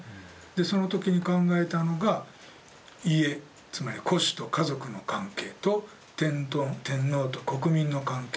その時に考えたのが家つまり戸主と家族の関係と天皇と国民の関係